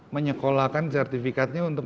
menyekolahkan sertifikatnya untuk